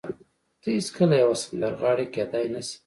ته هېڅکله يوه سندرغاړې کېدای نه شې.